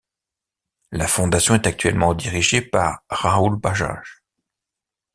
La fondation est actuellement dirigée par Rahul Bajaj.